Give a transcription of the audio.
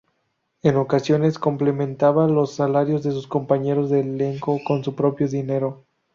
En ocasiones, complementaba los salarios de sus compañeros de elenco con su propio dinero.